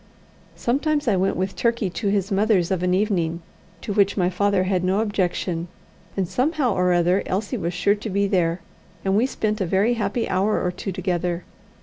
Sometimes I went with Turkey to his mother's of an evening, to which my father had no objection, and somehow or other Elsie was sure to be there, and we spent a very happy hour or two together.